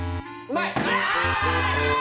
うまい！